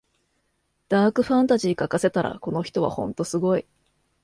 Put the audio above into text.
ダークファンタジー書かせたらこの人はほんとすごい